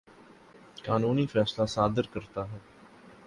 قانونی فیصلہ صادر کرتا ہے